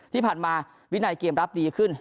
ที่ผ่านมาวินัยเกมรับดีขึ้น